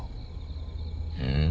うん？